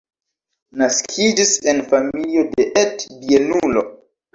Naskiĝis en familio de et-bienulo.